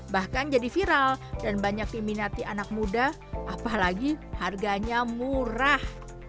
bahkan jadi viral dan banyak diminati anak muda apalagi harganya murah